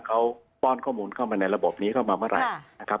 เขาป้อนข้อมูลเข้ามาในระบบนี้เข้ามาเมื่อไหร่นะครับ